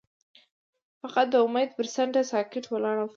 هغه د امید پر څنډه ساکت ولاړ او فکر وکړ.